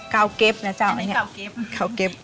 เก็บนะเจ้าอันนี้เก่าเก็บ